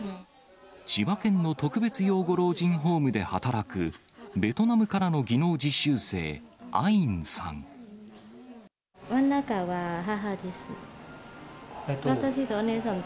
千葉県の特別養護老人ホームで働く、ベトナムからの技能実習生、アインさん。